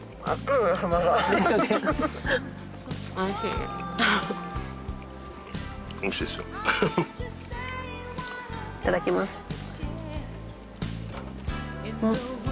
いただきます。